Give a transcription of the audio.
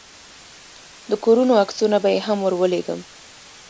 د کورونو عکسونه به يې هم ورولېږم.